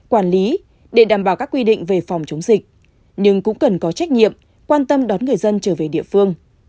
quản lý để đảm bảo các quy định về phòng chống dịch nhưng cũng cần có trách nhiệm quan tâm đón người dân trở về địa phương